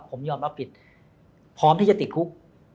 ผมยอมรับผิดพร้อมที่จะติดคุก